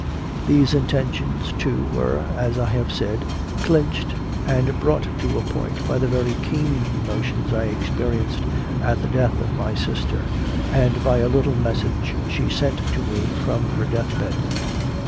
These intentions too were, as I have said, clinched and brought to a point by the very keen emotions I experienced at the death of my sister, and by a little message she sent to me from her death bed.